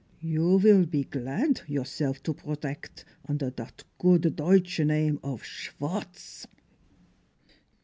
You vill pe glad yourself to brodect under dot good Deutsch name of Schwartz